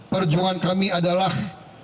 perjuangan kami adalah